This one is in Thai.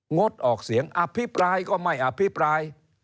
งดออกเสียงอภิปรายก็ไม่อภิปราย